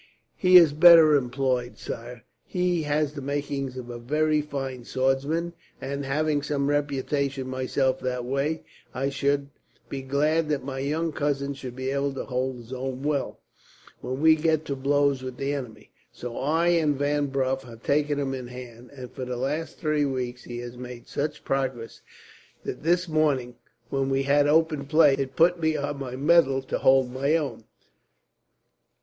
"He is better employed, sire. He has the makings of a very fine swordsman and, having some reputation myself that way, I should be glad that my young cousin should be able to hold his own well, when we get to blows with the enemy. So I and Van Bruff have taken him in hand, and for the last three weeks he has made such progress that this morning, when we had open play, it put me on my mettle to hold my own.